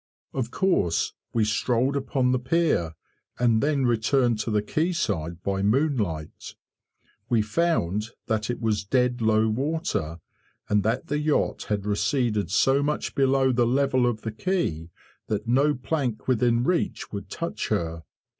Of course, we strolled upon the pier, and then returned to the quay side by moonlight. We found that it was dead low water, and that the yacht had receded so much below the level of the quay, that no plank within reach would touch her.